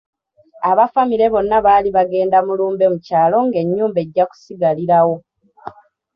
Abafamire bonna baali bagenda mu lumbe mu kyalo nga ennyumba ejja kusigalirawo.